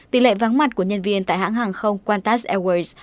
tỷ lệ vắng mặt của nhân viên tại hãng hàng không quantas airways